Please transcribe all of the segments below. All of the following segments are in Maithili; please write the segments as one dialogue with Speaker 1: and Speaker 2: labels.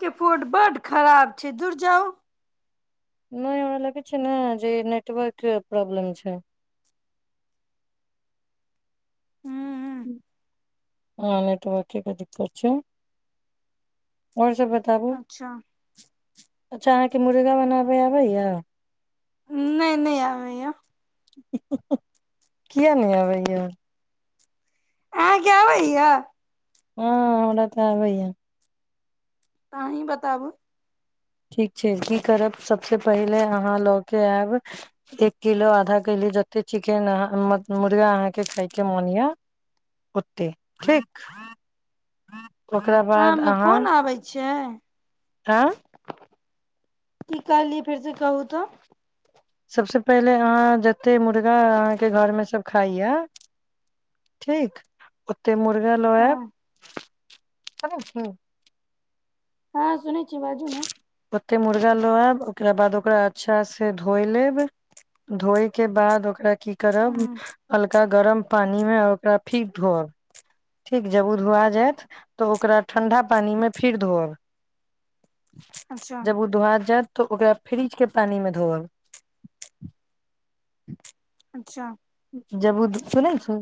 Speaker 1: के फूड बड्ड खराब छै दूर जाउ
Speaker 2: नहि हमरा लगै छै ने जे नेटवर्क प्रॉब्लम छै
Speaker 1: हुम्
Speaker 2: हाँ नेटवर्क कें दिक्क़त छै आओर सब बताबू
Speaker 1: अच्छा
Speaker 2: के मुर्गा बनाबे आबै या
Speaker 1: नहि नहि आबैय या
Speaker 2: हुँ हह किए नहि अबैय
Speaker 1: अहाँ कें आबैय या
Speaker 2: हँ हमअरा तऽ आबैया
Speaker 1: त अन्हि बताबु
Speaker 2: ठीक छै की करब सभसँ पहिले अहाँ लऽ कऽ आयब एक किलो आधा किलो जतेक चिकेन अहाँ मुर्गा अहाँके खायके मोन यए ओतेक ठीक ओकरा बाद अहाँ
Speaker 1: छा
Speaker 2: आँ
Speaker 1: की कहली फेर से कहू तऽ
Speaker 2: सबस पहिले अहाँ एते मुर्गा अहाँके घर मे सब खइया ठीक त मुर्गा लोय
Speaker 1: हँ
Speaker 2: त ह
Speaker 1: हँ सुन
Speaker 2: ओते मुर्गा लोआ एकरा बाद ओकरा अच्छा से धोइ लेब धोए के बाद ओकरा की करब
Speaker 1: हूँ
Speaker 2: अलका गरम पानिमे ओकरा फीक धोअब ठीक जब ओ धोआ जायत तऽ ओकरा ठण्डा पानिमे फेर धोअब
Speaker 1: अच्छा
Speaker 2: जब ओ दुहार जात तऽ ओकरा फ्रिज के पानी मे धोअल
Speaker 1: अच्छा
Speaker 2: जबू सुन छ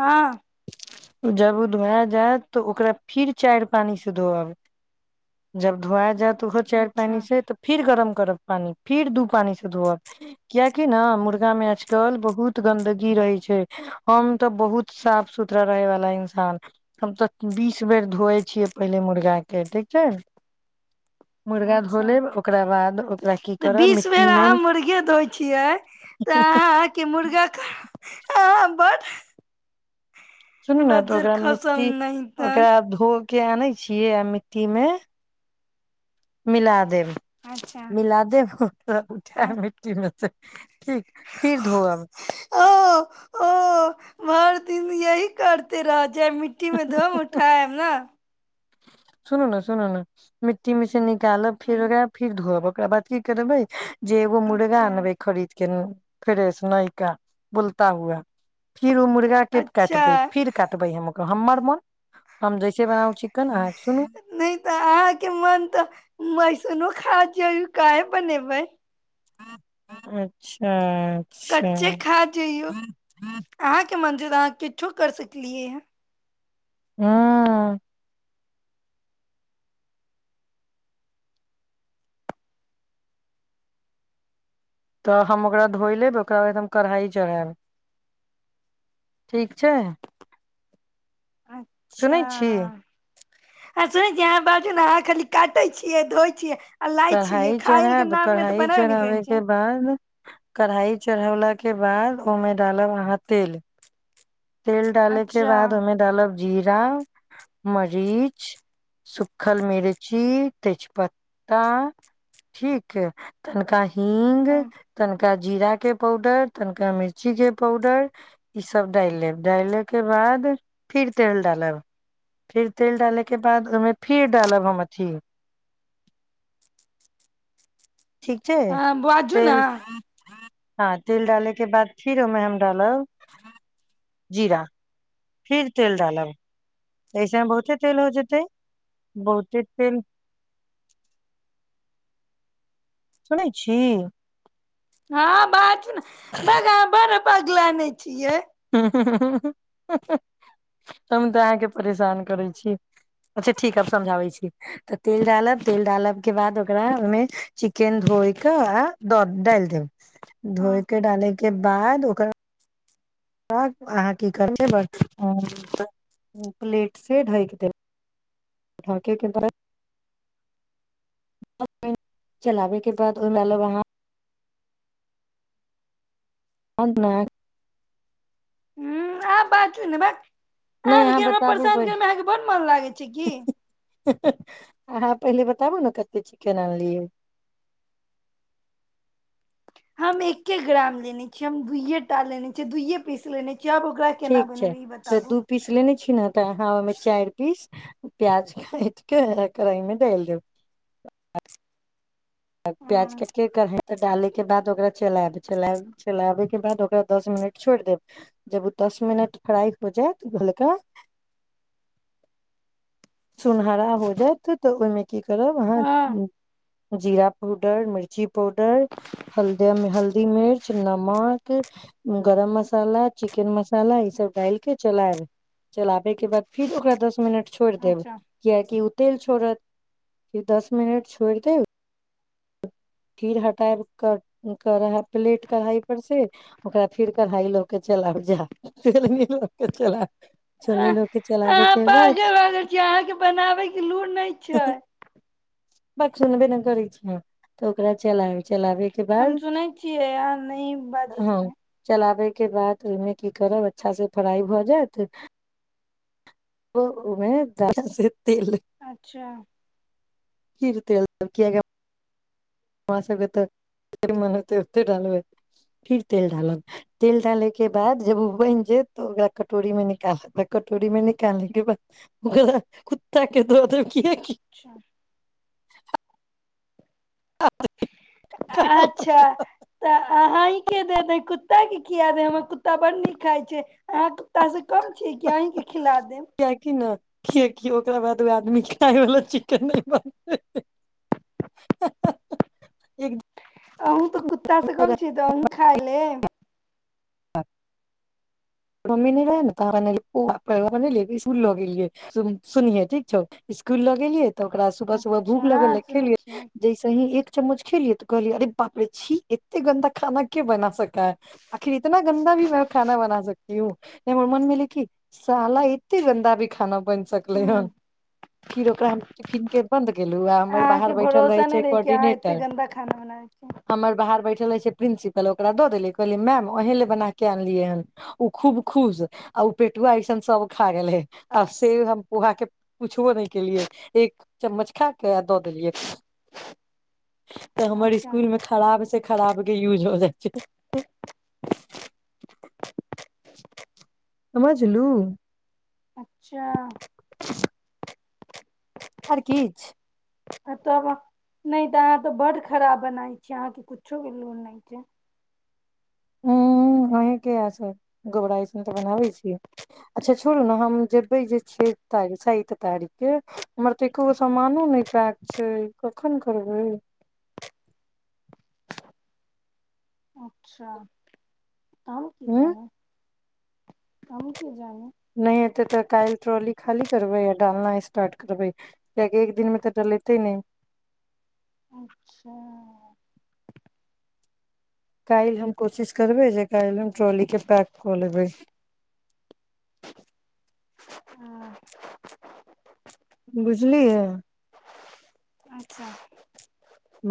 Speaker 1: हँ
Speaker 2: जब ओ धुआ जायत तऽ ओकरा फिर चार पानी से धोअब जब धोआ जायत चायर पानि
Speaker 1: अच्छा
Speaker 2: से तऽ फिर गरम गरम पानी फिर दु पानी स धोअब क्युकी न मुरगामे चल बहुत गन्दगी रहै छै हम तऽ बहुत साफ सुथरा रहे वाला इंसान हम तऽ बीस बेर धोए छियै पहिले मुर्गा के ठीक छै मुर्गा धो
Speaker 1: अच्छा
Speaker 2: लेब ओकरा बाद ओकरा की
Speaker 1: तऽ
Speaker 2: करब
Speaker 1: बीस
Speaker 2: मिट्टी
Speaker 1: बेर
Speaker 2: मे
Speaker 1: अहाँ मुर्गे दइ छियै तऽ अहाँ क मुर्गा न बर
Speaker 2: सुनू ने तऽ ओकरा मिट्टी
Speaker 1: नहि तऽ
Speaker 2: ओकरा धो के आनै छियै आ मिट्टी मे मिला देब
Speaker 1: अच्छा
Speaker 2: मिल दे फ उठ
Speaker 1: आ
Speaker 2: मिटी मे त ठीक फिर धो
Speaker 1: ओ ओ भर दिन यह करते रहत ज मिट्टी मे धो उठाब ने
Speaker 2: सुनू ने सुनू ने मिट्टी मिशनी गल फर फर धोआ ओकरा बात की करब भै जेगो मूड़ गा
Speaker 1: अच्छा
Speaker 2: आनबै खरी फेर ऐस नहि का बुलता हुआ फिर ओ मुर्गाक के
Speaker 1: अच्छा
Speaker 2: काटबै फिर काटबै हम हमर मन हम जैसे बनाउ चिकन के सुनू
Speaker 1: नहि तऽ अहाँके मन तऽ मैसनोो खा कय बने भै
Speaker 2: अच्छा अच्छा
Speaker 1: कच्चे खा जइौ आ के मनज त किछो कर सकलिऐ
Speaker 2: हँ तऽ हम ओकरा धोइ लेब ओकरा बाद हम कढ़ाइ चढ़ायब ठीक छै
Speaker 1: अच्छा
Speaker 2: सुनै छी
Speaker 1: आ सुनै छियै अहाँ बात छै ने अहाँ खाली काटै छियै धोए छियै आ लाइ छियै
Speaker 2: कढ़ाइ
Speaker 1: खायल के
Speaker 2: चढ़ब
Speaker 1: नाम मे तऽ
Speaker 2: कढ़ाइ
Speaker 1: बनबे नहि करै
Speaker 2: चढ़ाबे के
Speaker 1: छै
Speaker 2: बाद कढ़ाइ चढ़ौलाके बाद ओहिमे डालब अहाँ तेल तेल डाले के
Speaker 1: अच्छा
Speaker 2: बाद ओहिमे डाला जीरा मरीच सुखल मिर्ची तेजपत्ता ठीक तनिका ह हींग तन तनिका जीरा के पाउडर तनिका मिर्ची के पाउडर ई सब ओ ठीक छै
Speaker 1: हँ बाजू ने
Speaker 2: तेल हँ तेल डाले के बाद फिर ओमे हम डालब जीरा फिर तेल डालब एहिऐसमे बहुते तेल हो जेतै बहुते तेल सुनै छी
Speaker 1: हँ बात ने बा बड़ बगलाे ने छियै
Speaker 2: हम तऽ अहाँके परेशान करै छी अच्छा ठीक ह समझाबै छी तऽ तेल डालब तेल डालब के बाद ओकरा ओहिमे चिकेन धोइ कऽ आ द डालि देब धोइके डाले के बाह दकरा अहाँ की करब प्लेट से ढकि देब ठाके क तरह चलाबयके बाद ओ म लब वहाँ अब न
Speaker 1: ह बाती ने ब
Speaker 2: नहि
Speaker 1: अहाँ
Speaker 2: अहाँ
Speaker 1: ल
Speaker 2: बताबू
Speaker 1: परेशान
Speaker 2: पहिले।
Speaker 1: करमे अहाँके ब्ड मन लागै छै क
Speaker 2: अहाँ पहिले बताबु ने कते चिकन आनलियै
Speaker 1: हम एके ग्राम लेने छियै हम दुूइये टा लेने छियै दुइे पीस लेने छिय
Speaker 2: ठीक छै तऽ दू पीस लेने छी ने तऽ हमे चारि पीस प्याज काटके कढ़ाई मे डेल द प्याज
Speaker 1: हूं
Speaker 2: कटके कर हैं तऽ डाले के बाद ओकरा चलाब चला चलाबै बाद ओकरा दस मिनट छो दे जब ओ दस मिनट फ्राई हो जायत गोलका सुनहरा हो जायत तऽ ओहिमे की करब अहाँ
Speaker 1: हँ
Speaker 2: जीरा पाउडर मिर्ची पाउडर हल्द हल्दी मिर्च नमक गरम मसाला चिकेन मसाला ई सब डाल के चलायब चलाबे के बाद फिर ओकरा दस मिनट छोड़ि देबै
Speaker 1: अच्छा
Speaker 2: य कि तेल छोड़त कि दस मिनट छोड़ि देब खीर हटाए कर प्लेट कढ़ाइ पर से ओकरा फिर कढ़ाई लो के चलउ जा के चला
Speaker 1: अ
Speaker 2: छोलनी लऽ के चलाबे
Speaker 1: अहाँ
Speaker 2: के बाद
Speaker 1: पाजल लागल छीै अहाँके बनाबयके लूुर नहि छै
Speaker 2: बक सुू ने बेन कर छ तऽ ओकरा चलाब छै
Speaker 1: हम सुनै छियै आ नहि बाजै
Speaker 2: हँ
Speaker 1: छियै
Speaker 2: चलाबे के बाद ओहिमे की करब अच्छा से फ्राइ भऽ जायत ओमे
Speaker 1: अच्छा
Speaker 2: खीर तेल किया हमरा सबके तऽ मन होते ओते डालब फिर तेल डालल तेल डाले के बाद जब ओ बनि जेत तऽ ओकरा कटोरी मे निकालत कटोरी मे निकाले के बाद ओकरा कुत्ता के दऽ दे क [unintelligible]
Speaker 1: अच्छा अच्छा
Speaker 2: कियाकि
Speaker 1: तऽ अहा ह के दे दे कुत्ता के कियाादे हमर कु्ता बड़ नीक खाय छै अहा कुत्ता से कम छै कि अहींके खिला देब
Speaker 2: किियि ओकरा बाद ओ आदमी खाय वाल चिकन नहि बनत
Speaker 1: अ तऽ कुत्ता से गम छी तऽ अ खा ले
Speaker 2: ह मम्मी नहि रहे ने तह इसकुल लऽ गेलियै सुनहे ठीक छौ इकुल लऽ गेलियै तऽ ओकरा सुबह सुबह भूख
Speaker 1: अच्छा
Speaker 2: लगल
Speaker 1: सुनै छियै
Speaker 2: खेलियै
Speaker 1: हूँ
Speaker 2: जैसे ही एक जब मुछ खेलियै तो कहलियै अरे बाप रे छीी एते गन्दा खाना क्य बना सकाै आखिर इतना गन्दा भी खाना बना सकै य नहि मर मन मिल कि सााल एते गन्दा भी खान ब सकलै हन फिर ओकरा टिफिन के बन्द गेल आ हमर बाहर
Speaker 1: अहाँके
Speaker 2: बैठल रहे
Speaker 1: भरोसा नहि
Speaker 2: छै
Speaker 1: रहै कि अहाँ एते
Speaker 2: कोर्डिनेटर
Speaker 1: गन्दा खाना बनाबै छियै
Speaker 2: हमर बाहर बैठल रह छै प्रिंसिपल ओकरा देलै कहलियै मैम ओही ल बना के अनलियै हन खूब खुश आ पेटुआ ऐसन सब खा गेल है आ से हम पोहा के पुछबो न केलिये एक चम्मच खा क दऽ देलियै तऽ हमर
Speaker 1: अच्छा
Speaker 2: इकुल मे खराब से खराब के यूज हो जे [unintelligible] समझलू
Speaker 1: अच्छा
Speaker 2: आ किछु
Speaker 1: आ तब नहि तऽ अहाँ तऽ बड्ड खराब बनाै छीियै अहाँके कुछो के लोन नहि छै
Speaker 2: ह्म अहीँके हए गोबरा अइसन तऽ बनाबै छीियै अच्छा छोड़ू ने हम जेबै जे छ तारीख चैत तारीखके हमर तऽ एको गो सामानो नहि पैक छै कखन करबै
Speaker 1: अच्छा त हम की
Speaker 2: उं
Speaker 1: जानी क क जी
Speaker 2: नहि एेतै तऽ काल्हि ट्रॉली खाली करबै आ डालना स्टार्ट करबै कियकि एक दिनमे तऽ डलेतै नहि
Speaker 1: अच्छा
Speaker 2: काल्हि हम कोशिश करबै जे काल्हि हम ट्रली के पैक कऽ लबै
Speaker 1: हँ
Speaker 2: बुझलियै
Speaker 1: अच्छा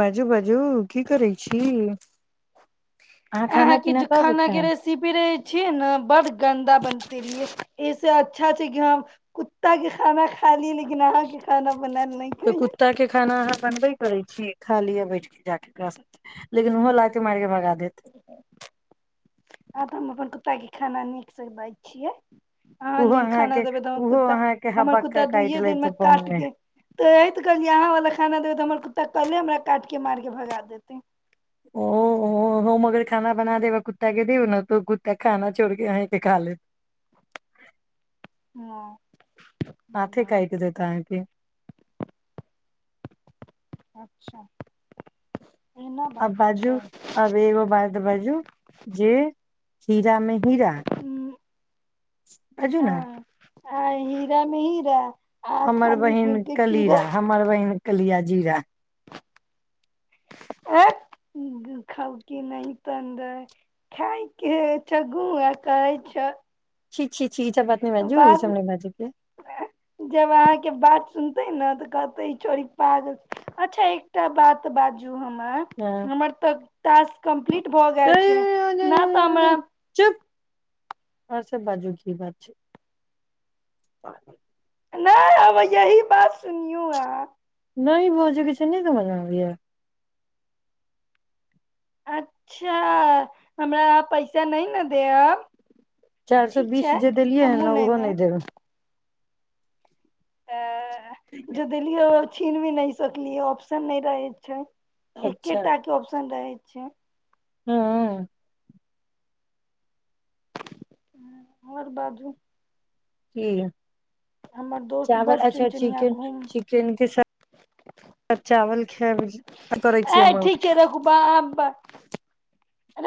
Speaker 2: बाजू बाजू की करै छी अहाँ खाना
Speaker 1: अहाँके
Speaker 2: पीना
Speaker 1: जे
Speaker 2: कब
Speaker 1: खाना के
Speaker 2: खायब
Speaker 1: रेसिपी रहे छियै ने बड गन्दा बनते रयै अच्छा छै कि ह कुत्ता के खाना खा ली लेकिन अहाँके खाना बनायल नहि
Speaker 2: तऽ
Speaker 1: खइयै
Speaker 2: कुत्ता के खाना अहाँ बनबे करै छियै खा लिये बैठ के जााक लेकिन उहो लागते मारिक के भगा देत
Speaker 1: आ त म अपनन कुतागे खाना नीक से दै छियै
Speaker 2: ओहो
Speaker 1: अह खाना
Speaker 2: अहाँके
Speaker 1: देबै तऽ हमर
Speaker 2: ओहो
Speaker 1: कुत्ता
Speaker 2: अहाँके
Speaker 1: हमर कुत्ता
Speaker 2: हबक्का काटि
Speaker 1: दुइयए
Speaker 2: लेत
Speaker 1: दिनमे
Speaker 2: बम मे
Speaker 1: काटके तऽ हे तऽ कहल जे अहाँ वालला खाना देबै तऽ हमर कुत्ता कल्े हमरा काटिके मारिक भगा देतै
Speaker 2: ओ हम मगर खाना बना देब कुत्ता के दऔ ने तऽ कुत्ता खाना छोड़के अके खा ले
Speaker 1: ह
Speaker 2: हथे कइ क दे तहाँके
Speaker 1: अच्छा एना
Speaker 2: आ
Speaker 1: बात
Speaker 2: बाजू
Speaker 1: छै
Speaker 2: हब एो बात त बाजू जे खीरामे
Speaker 1: हूँ,
Speaker 2: [inaudible] बाजू ने
Speaker 1: हँ आ हीरा मे हीरा आ
Speaker 2: हमर
Speaker 1: खाली
Speaker 2: बहिन
Speaker 1: गूं के कीड़ा
Speaker 2: कलीरा हमर बहिन कलिया जीरा
Speaker 1: खी नहि त खाायके छ ग करै छ
Speaker 2: छी छी छी ई सब बात नहि बाजू ई
Speaker 1: बाद
Speaker 2: सब नहि बाजू के
Speaker 1: जब अहाँके बात सुनतय न तऽ कहतय ई छौरी पागल अच्छा एकटा बात बाजू हमर
Speaker 2: हँ,
Speaker 1: हमर तऽ टास्क कम्पलीट भऽ गैल छैय न तऽ हमरा
Speaker 2: चुप आओर सब बाजू की बात छैय?
Speaker 1: नहि अब यही बात सुनीयौ आँहां।
Speaker 2: नहि बजके छैय नहि समझ अबय या।
Speaker 1: अच्छा हमरा पैसा नहि न देअब?
Speaker 2: चारि सए बीस जे देलियै हन ने ओहो नहि देबै।
Speaker 1: आ ज देलियौ। छीन भी नहि सकलियै ऑप्शन नहि रहय छैय। एके
Speaker 2: अच्छा
Speaker 1: टा के ऑप्शन रहै। छैय।
Speaker 2: हँ
Speaker 1: आओर बाजू
Speaker 2: की
Speaker 1: हमर दोस्त
Speaker 2: चावल
Speaker 1: बड
Speaker 2: अच्छा
Speaker 1: चुनचुनिया
Speaker 2: चिकेन
Speaker 1: घूम
Speaker 2: चिकेन के सा चावल खैबे करै
Speaker 1: ए
Speaker 2: छी।
Speaker 1: ठीक छै रखू बा